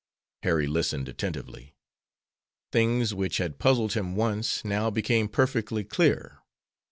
Harry listened attentively. Things which had puzzled him once now became perfectly clear.